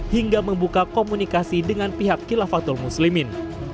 hingga membuka komunikasi dengan pihak kilafatul muslimin